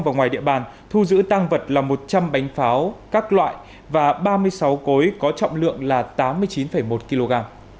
và ngoài địa bàn thu giữ tăng vật là một trăm linh bánh pháo các loại và ba mươi sáu cối có trọng lượng là tám mươi chín một kg